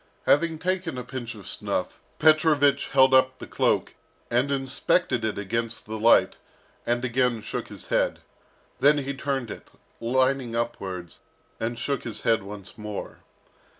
Having taken a pinch of snuff, Petrovich held up the cloak, and inspected it against the light, and again shook his head. Then he turned it, lining upwards, and shook his head once more.